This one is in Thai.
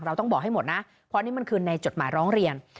ต้องบอกให้หมดนะเพราะนี่มันคือในจดหมายร้องเรียน